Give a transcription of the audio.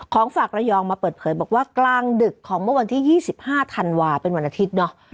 ฝากระยองมาเปิดเผยบอกว่ากลางดึกของเมื่อวันที่๒๕ธันวาเป็นวันอาทิตย์เนาะ